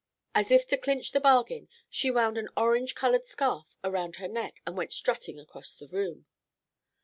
As if to clinch the bargain, she wound an orange colored scarf about her neck and went strutting across the room.